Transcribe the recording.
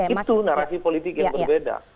itu narasi politik yang berbeda